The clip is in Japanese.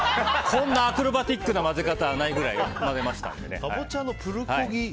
こんなアクロバティックな混ぜ方はないというくらいカボチャのプルコギ。